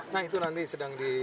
nah itu nanti sedang di